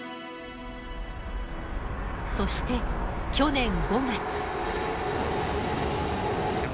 そして去年５月。